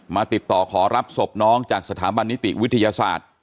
ติดต่อขอรับศพน้องจากสถาบันนิติวิทยาศาสตร์